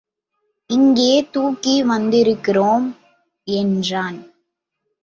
இங்கே தூக்கி வந்திருக்கிறோம் என்றான்.